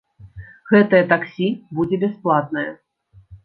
Гэтае таксі будзе бясплатнае.